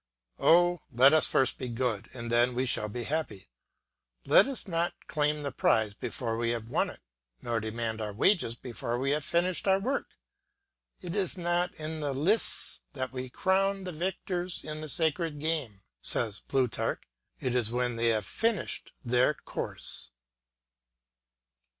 Oh! let us first be good and then we shall be happy. Let us not claim the prize before we have won it, nor demand our wages before we have finished our work. "It is not in the lists that we crown the victors in the sacred games," says Plutarch, "it is when they have finished their course."